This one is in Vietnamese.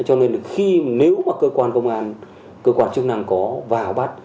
cho nên khi nếu mà cơ quan công an cơ quan chức năng có vào bắt